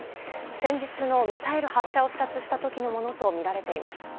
先日のミサイル発射を視察した時のものとみられています。